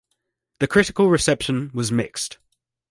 The critical reception was mixed.